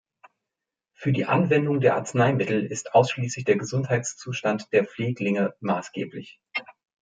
Für die Anwendung der Arzneimittel ist ausschließlich der Gesundheitszustand der Pfleglinge maßgeblich.